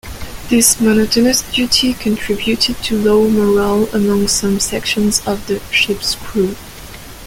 This monotonous duty contributed to low morale among some sections of the ship's crew.